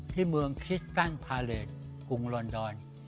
ที่เมืองคิสกั้งพาเลสกรุงลอนดอน